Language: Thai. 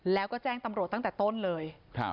แล้วก็แจ้งตำรวจตั้งแต่ต้นเลย